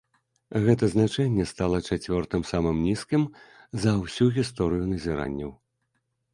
Гэта значэнне стала чацвёртым самым нізкім за ўсю гісторыю назіранняў.